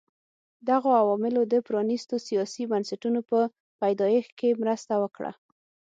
دغو عواملو د پرانیستو سیاسي بنسټونو په پیدایښت کې مرسته وکړه.